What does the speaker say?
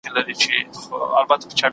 راعي پر خپل رعیت باندې په څه کولو مکلف دی؟